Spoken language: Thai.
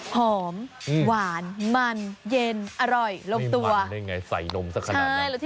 หอมหวานมันเย็นอร่อยลงตัวไม่มันได้ไงใส่นมสักขนาดน่ะใช่